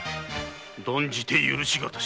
断じて許し難し！